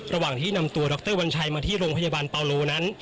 ระหว่างที่นำตัวดรวัญชัยมาที่โรงพยาบาลปาโลนั้น